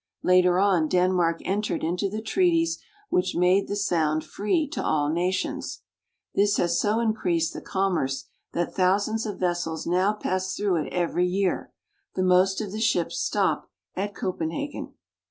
Later on Denmark entered into the treaties which made the Sound free to all nations. This has so increased the commerce that thousands of vessels now pass through it every year ; the most of the ships stop at Copenhagen.